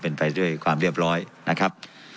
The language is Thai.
เป็นไปด้วยความเรียบร้อยนะครับ